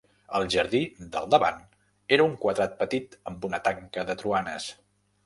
El jardí del davant era un quadrat petit amb una tanca de troanes.